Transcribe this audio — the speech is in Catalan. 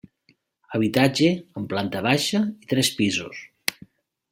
Habitatge amb planta baixa i tres pisos.